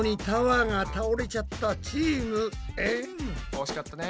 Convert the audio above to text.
惜しかったね。